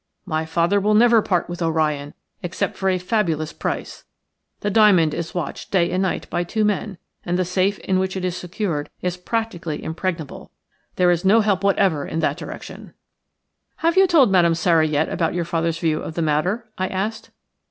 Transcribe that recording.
My father will never part with Orion except for a fabulous price. The diamond is watched day and night by two men, and the safe in which it is secured is practically impregnable. There is no help whatever m that direction." "Have you told Madame Sara yet about your father's view of the matter?" I asked.